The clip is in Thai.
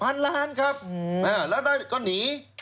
พันล้านครับแล้วก็หนี